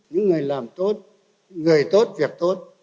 những người làm tốt người tốt việc tốt